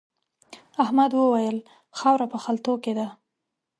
احمد وويل: خاوره په خلتو کې ده.